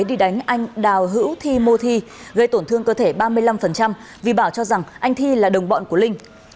đi đánh anh đào hữu thi mô thi gây tổn thương cơ thể ba mươi năm vì bảo cho rằng anh thi là đồng bọn của linh